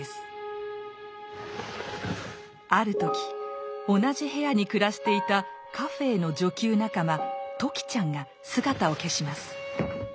ある時同じ部屋に暮らしていたカフェーの女給仲間時ちゃんが姿を消します。